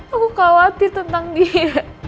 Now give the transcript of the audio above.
aku khawatir tentang dia